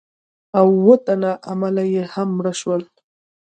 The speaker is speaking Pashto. او اووه تنه عمله یې هم مړه شول.